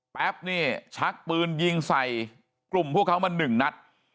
แป๊บนี่ชักปืนยิงใส่กลุ่มพวกเขามาหนึ่งนัด